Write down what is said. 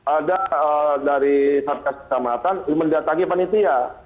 ada dari satgas kecamanan mendatangi penitia